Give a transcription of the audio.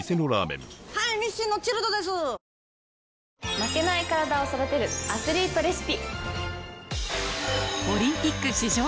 負けないカラダを育てるアスリートレシピ。